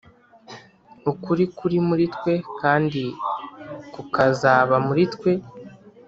ukuri kuri muri twe kandi kukazaba muri twe